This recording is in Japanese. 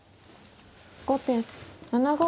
後手７五金。